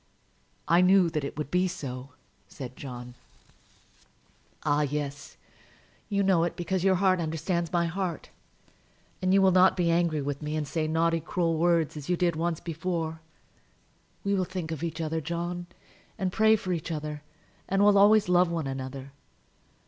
"I knew that it would be so," said John. "Ah, yes; you know it, because your heart understands my heart. And you will not be angry with me, and say naughty, cruel words, as you did once before. We will think of each other, John, and pray for each other; and will always love one another.